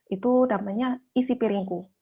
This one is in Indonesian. itu namanya isi piringku